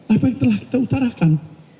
apa yang telah kita utarakan